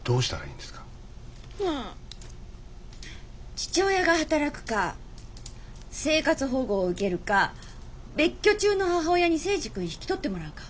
父親が働くか生活保護を受けるか別居中の母親に征二君引き取ってもらうか。